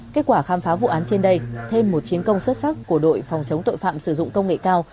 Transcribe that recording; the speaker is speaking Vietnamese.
kết quả khám phá vụ án trên đây thêm một chiến công xuất sắc của đội phòng chống tội phạm sử dụng công nghệ cao